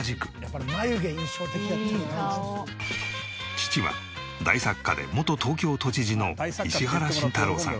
父は大作家で元東京都知事の石原慎太郎さん。